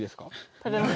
食べます？